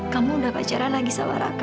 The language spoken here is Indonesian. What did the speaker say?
kamu dapat pacaran lagi sama raka